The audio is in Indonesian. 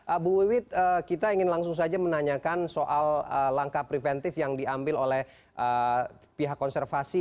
ibu wiwit kita ingin langsung saja menanyakan soal langkah preventif yang diambil oleh pihak konservasi